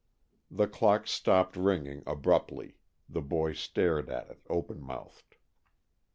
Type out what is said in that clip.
The clock stopped ringing abruptly, the boy stared at it open mouthed.